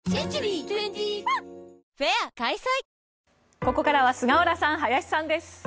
ここからは菅原さん、林さんです。